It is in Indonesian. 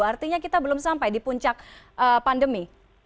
artinya kita belum sampai di puncak pandemi